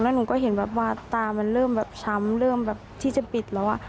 แล้วหนูก็เห็นแบบว่าตามันเริ่มแบบช้ำเริ่มแบบที่จะปิดแล้ว